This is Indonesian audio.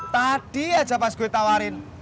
tadi aja pas gue tawarin